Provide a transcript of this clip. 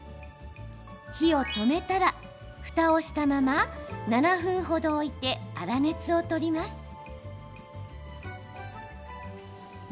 火を止めたら、ふたをしたまま７分ほど置いて、粗熱を取ります。